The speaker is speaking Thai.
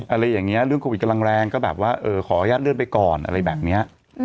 อะไรอย่างนี้เรื่องโควิดกำลังแรงก็แบบว่าขออนุญาตเลื่อนไปก่อนอะไรแบบนี้